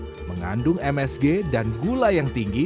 yang mengandung msg dan gula yang tinggi